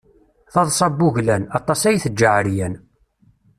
Taḍsa n wuglan, aṭas ay teǧǧa ɛeryan.